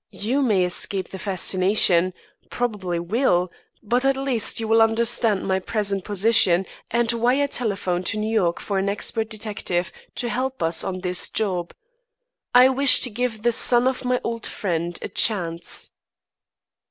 You may escape the fascination, probably will; but at least you will understand my present position and why I telephoned to New York for an expert detective to help us on this job. I wish to give the son of my old friend a chance."